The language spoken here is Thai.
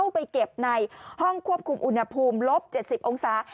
ไปเก็บในห้องควบคุมอุณหภูมิลบ๗๐องศา